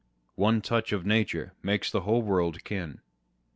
One touch of nature makes the whole world kin.